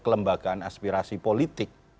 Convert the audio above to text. kelembagaan aspirasi politik